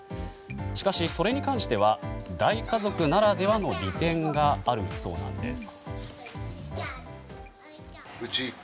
しかし、それに関しては大家族ならではの利点があるそうなんです。